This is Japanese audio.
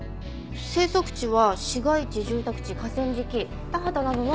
生息地は市街地住宅地河川敷田畑などの農耕地。